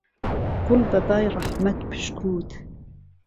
گوڵ به بای ڕهحمهت پشکووت